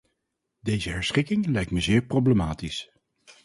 Deze herschikking lijkt me zeer problematisch.